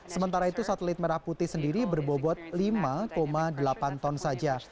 sementara itu satelit merah putih sendiri berbobot lima delapan ton saja